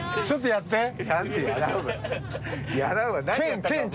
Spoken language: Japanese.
ちょっとやって。